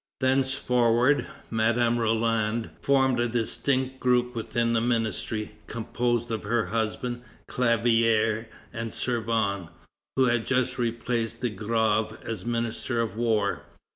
Thenceforward, Madame Roland formed a distinct group within the ministry, composed of her husband, Clavière, and Servan, who had just replaced De Grave as Minister of War.